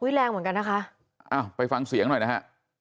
แรงเหมือนกันนะคะอ้าวไปฟังเสียงหน่อยนะฮะ